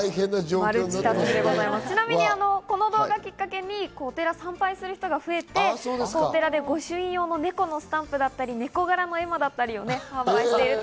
ちなみにこの動画をきっかけにお寺を参拝する人が増えてこのお寺で御朱印用の猫のスタンプや、猫柄の絵馬だったりを販売